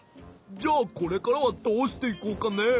じゃあこれからはどうしていこうかねえ？